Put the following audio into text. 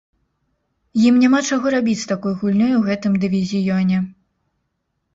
Ім няма чаго рабіць з такой гульнёй у гэтым дывізіёне.